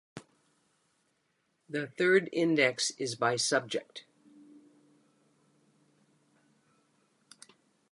The third index is by subject.